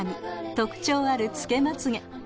特徴あるつけまつげ